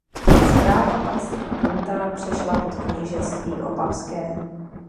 Správa panství Bruntál přešla pod knížectví Opavské.